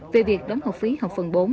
về việc đón học phí học phần bốn